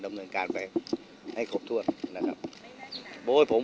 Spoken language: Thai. ดำเนินการไปให้ครบถ้วนนะครับโอ้ยผม